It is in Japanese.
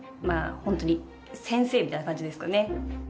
ホントに先生みたいな感じですかね